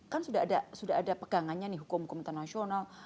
kan sudah ada pegangannya hukum internasional